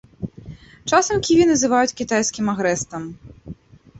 Часам ківі называюць кітайскім агрэстам.